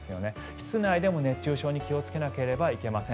室内でも熱中症に気をつけなければいけません。